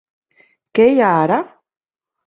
Què hi ha ara?